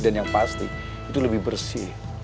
dan yang pasti itu lebih bersih